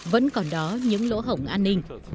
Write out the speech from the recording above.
vẫn còn đó những lỗ hổng an ninh